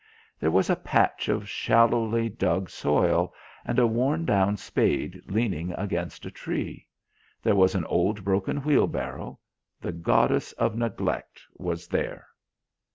There was a patch of shallowly dug soil and a worn down spade leaning against a tree. There was an old broken wheelbarrow. The goddess of neglect was there.